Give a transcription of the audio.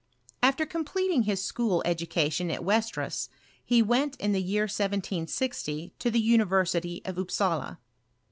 After com peting his school education at Westeras, he went, in the year 1760, to the University of Upsala.